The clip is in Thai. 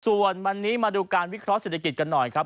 ส่วนวันนี้มาดูการวิเคราะห์เศรษฐกิจกันหน่อยครับ